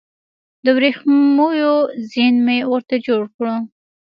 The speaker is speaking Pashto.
د وریښمو زین مې ورته جوړ کړ